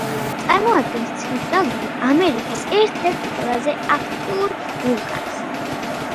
წარმოადგენს ცენტრალური ამერიკის ერთ-ერთ ყველაზე აქტიურ ვულკანს.